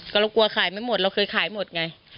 ก็เรากลัวขายไม่หมดเราเคยขายหมดไง